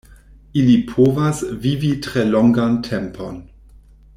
Ili povas vivi tre longan tempon.